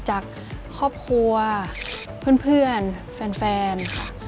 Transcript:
จากครอบครัวเพื่อนแฟน